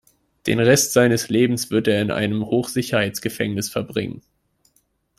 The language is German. Den Rest seines Lebens wird er in einem Hochsicherheitsgefängnis verbringen.